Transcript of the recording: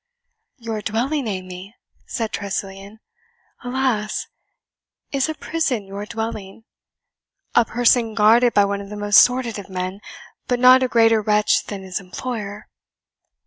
"Your dwelling, Amy!" said Tressilian. "Alas! is a prison your dwelling? a prison guarded by one of the most sordid of men, but not a greater wretch than his employer!"